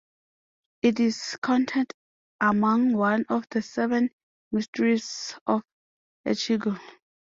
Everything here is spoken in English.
It is counted among one of the seven mysteries of Echigo.